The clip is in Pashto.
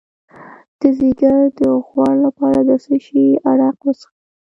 د ځیګر د غوړ لپاره د څه شي عرق وڅښم؟